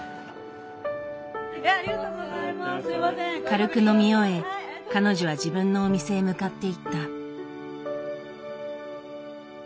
軽く飲み終え彼女は自分のお店へ向かっていった。